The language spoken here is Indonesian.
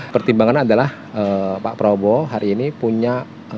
pertimbangan adalah pak prabowo hari ini punya